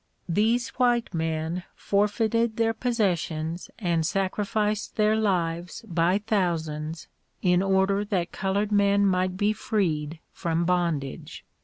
These white men forfeited their possessions and sacrificed their lives by thou sands in order that colored men might be freed from bondage.